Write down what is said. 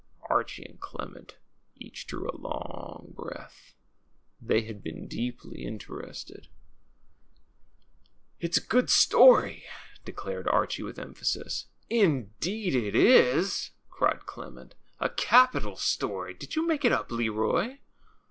Archie and Clement each drew a long breath. They had been deeply interested. It's a good story," declared Archie, with emphasis. '^Indeed it is!" cried Clement. ^^A capital story. Did you make it up, Leroy?"